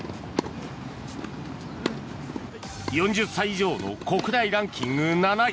４０歳以上の国内ランキング７位。